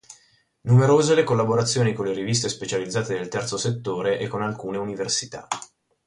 Numerose le collaborazioni con le riviste specializzate del Terzo settore e con alcune Università.